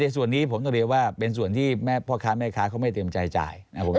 ส่วนนี้ผมต้องเรียกว่าเป็นส่วนที่พ่อค้าแม่ค้าเขาไม่เตรียมใจจ่าย